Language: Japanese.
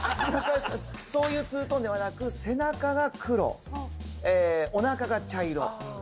そういうツートンではなく背中が黒おなかが茶色。